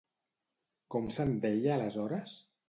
Com se'n deia aleshores?